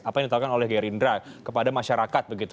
apa yang ditawarkan oleh gerindra kepada masyarakat begitu